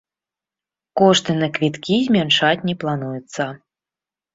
Кошты на квіткі змяншаць не плануецца.